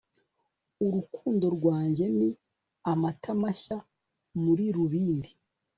urukundo rwanjye ni amata mashya muri rubindi